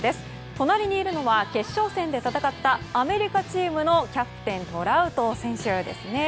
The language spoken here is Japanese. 隣にいるのは決勝戦で戦ったアメリカチームのキャプテントラウト選手ですね。